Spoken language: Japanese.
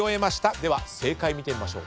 では正解見てみましょう。